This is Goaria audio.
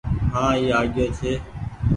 هآن اي آگيو ڇي۔